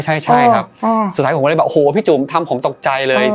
ใช่ครับสุดท้ายผมก็เลยแบบว่าพี่จุมคนให้ผมตกใจเลย